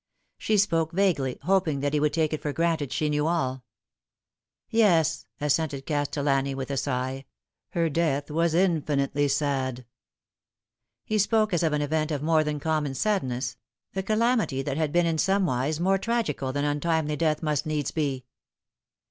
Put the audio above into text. She spoke vaguely, hoping that he would take it for granted she knew all. "Yes," assented Castellani with a sigh, "her death was in finitely sad." He spoke as of an event of more than common sadness r. calamity that had been in somewise more tragical than untimely death must needs be.